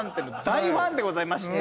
大ファンでございまして。